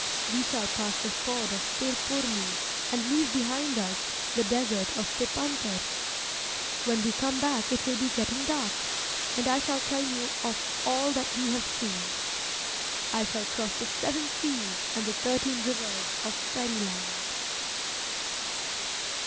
We shall pass the ford of Tirpurni, and leave behind us the desert of Tepântar. When we come back it will be getting dark, and I shall tell you of all that we have seen. I shall cross the seven seas and the thirteen rivers of fairyland.